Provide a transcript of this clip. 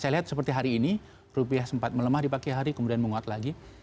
saya lihat seperti hari ini rupiah sempat melemah di pagi hari kemudian menguat lagi